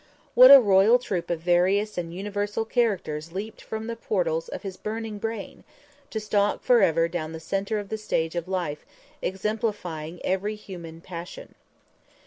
What a royal troop of various and universal characters leaped from the portals of his burning brain, to stalk forever down the center of the stage of life, exemplifying every human passion!